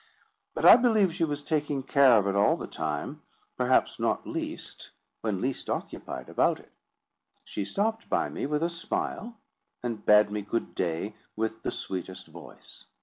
But I believe she was taking care of it all the time, perhaps not least when least occupied about it. She stopped by me with a smile, and bade me good day with the sweetest voice.